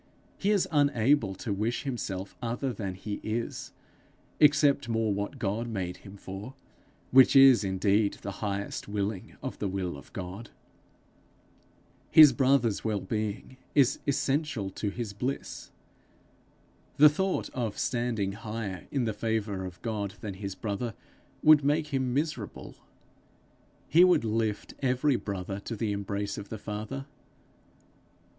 He is unable to wish himself other than he is, except more what God made him for, which is indeed the highest willing of the will of God. His brother's wellbeing is essential to his bliss. The thought of standing higher in the favour of God than his brother, would make him miserable. He would lift every brother to the embrace of the Father.